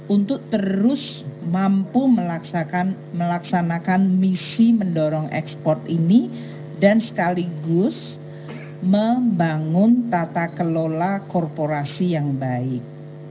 untuk terus mampu melaksanakan misi mendorong ekspor ini dan sekaligus membangun tata kelola korporasi yang baik